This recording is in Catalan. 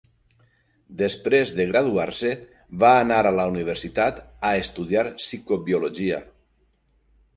Després de graduar-se, va anar a la universitat a estudiar psicobiologia.